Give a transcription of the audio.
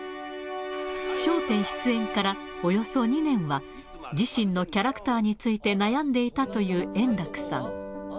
笑点出演からおよそ２年は、自身のキャラクターについて悩んでいたという円楽さん。